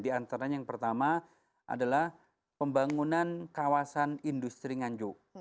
dan antaranya yang pertama adalah pembangunan kawasan industri nganjuk